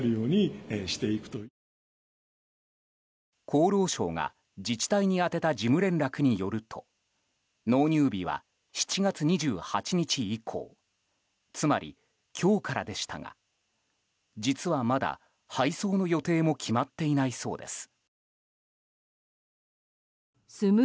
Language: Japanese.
厚労省が自治体に宛てた事務連絡によると納入日は７月２８日以降つまり今日からでしたが実はまだ、配送の予定も決まっていないそうです。